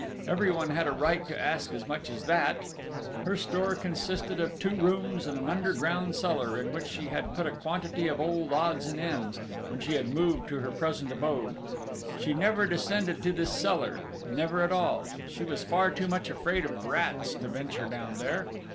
Everyone had a right to ask as much as that!... Her store consisted of two rooms and an underground cellar, in which she had put a quantity of old odds and ends, when she had moved to her present abode.... She never descended to this cellar, never at all: she was far too much afraid of rats to venture down there!